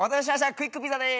クイックピザです。